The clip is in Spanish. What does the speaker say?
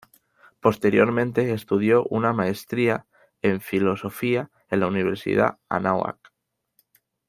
Posteriormente estudió una maestría en filosofía en la Universidad Anáhuac.